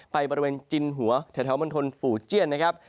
ไปบริเวณจินหัวแถวแถวบันทนฝูเจียน